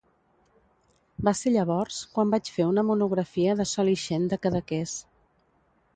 Va ser llavors quan vaig fer una monografia de Sol Ixent, de Cadaqués.